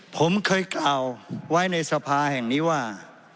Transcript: ผมเคยกล่าวไว้ในสภาแห่งนี้ว่า